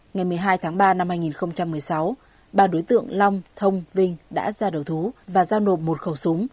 ngày một mươi hai tháng ba năm hai nghìn một mươi sáu ba đối tượng long thông vinh đã ra đầu thú và giao nộp một khẩu súng